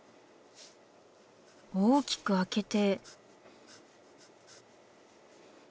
大きくあけて。